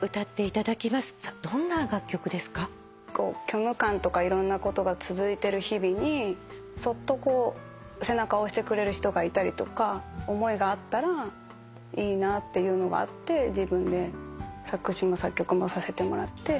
虚無感とかいろんなことが続いてる日々にそっと背中を押してくれる人がいたりとか思いがあったらいいなっていうのがあって自分で作詞も作曲もさせてもらって。